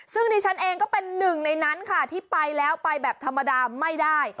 ซึ่งดิฉันเองก็เป็นหนึ่งในนั้นค่ะที่ไปแล้วไปแบบธรรมดาไม่ได้